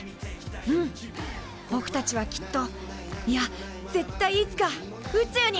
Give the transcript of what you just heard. うんぼくたちはきっといや絶対いつか宇宙に。